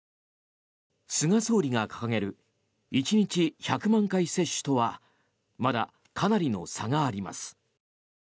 菅総理が掲げる１日１００万回接種とはまだ、かなりの差があります。